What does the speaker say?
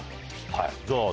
はい。